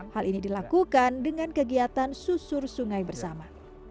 hal ini dilakukan dengan kegiatan susur sungai bersama